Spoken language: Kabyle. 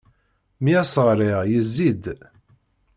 Mi as-ɣriɣ, yezzi-d.